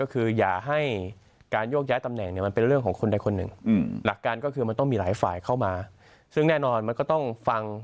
คือจริงมันอยู่ระหว่างพัฒนา